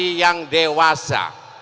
demokrasi yang dewasa